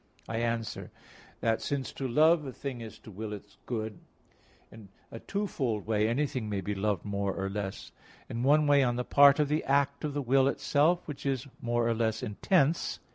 I answer that, Since to love a thing is to will it good, in a twofold way anything may be loved more, or less. In one way on the part of the act of the will itself, which is more or less intense.